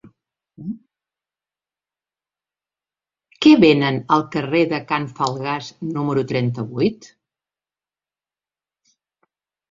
Què venen al carrer de Can Falgàs número trenta-vuit?